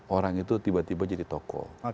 orang itu tiba tiba jadi tokoh